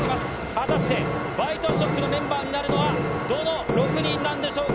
果たして、ＢｉＴＥＡＳＨＯＣＫのメンバーになるのは、どの６人なんでしょうか。